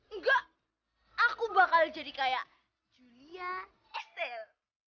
enggak aku bakal jadi kayak julia estel